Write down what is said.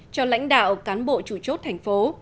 cho lãnh đạo cán bộ chủ chốt thành phố